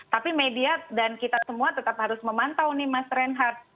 tapi media dan kita semua tetap harus memantau nih mas reinhardt